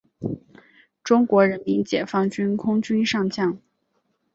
中国人民解放军空军上将。